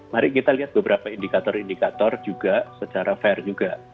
mari kita lihat beberapa indikator indikator juga secara fair juga